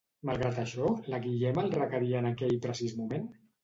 Malgrat això, la Guillema el requeria en aquell precís moment?